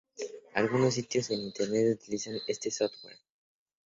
Algunos sitios en internet utilizan este software.